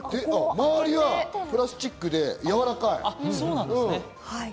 周りはプラスチックでやわらかい。